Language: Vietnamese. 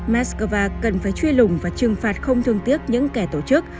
moscow cần phải truy lùng và trừng phạt không thương tiếc những kẻ tổ chức